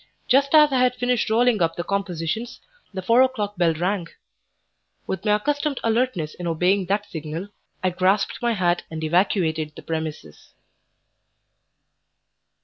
Just as I had finished rolling up the compositions, the four o'clock bell rang; with my accustomed alertness in obeying that signal, I grasped my hat and evacuated the premises.